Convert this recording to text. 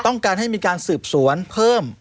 ต้องการให้มีการสืบสวนเพิ่ม